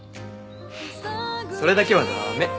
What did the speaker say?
それだけは駄目。